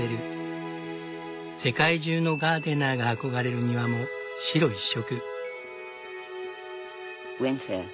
世界中のガーデナーが憧れる庭も白一色。